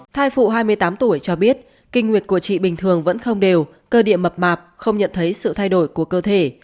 thai phụ hai mươi tám tuổi cho biết kinh nguyệt của chị bình thường vẫn không đều cơ địa mập mạp không nhận thấy sự thay đổi của cơ thể